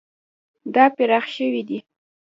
دا پراخ شوی دی.